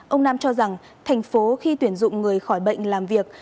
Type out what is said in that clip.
ông nam cho rằng tp hcm khi tuyển dụng người khỏi bệnh làm việc